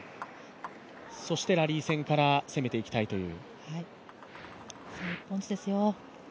そしてラリー戦から攻めていきたいという。